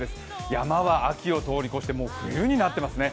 山は秋を通り越して、もう冬になっていますね。